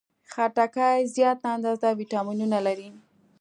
خټکی زیاته اندازه ویټامینونه لري.